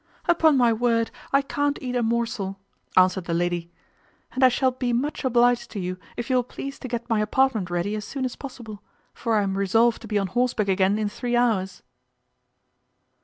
"Upon my word, I can't eat a morsel," answered the lady; "and I shall be much obliged to you if you will please to get my apartment ready as soon as possible; for I am resolved to be on horseback again in three hours."